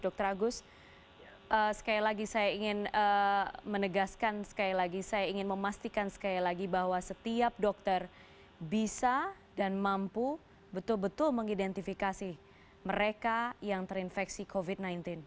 dr agus sekali lagi saya ingin menegaskan sekali lagi saya ingin memastikan sekali lagi bahwa setiap dokter bisa dan mampu betul betul mengidentifikasi mereka yang terinfeksi covid sembilan belas